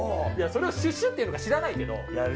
それをシュシュってやるのか知らないけど。